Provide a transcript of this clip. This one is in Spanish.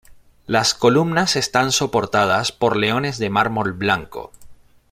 Las columnas están soportadas por leones de mármol blanco.